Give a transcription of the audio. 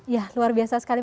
ya luar biasa sekali